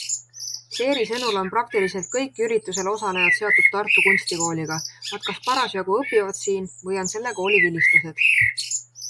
Seeri sõnul on praktiliselt kõik üritusel osalejad seotud Tartu Kunstikooliga - nad kas parasjagu õpivad siin või on selle kooli vilistlased.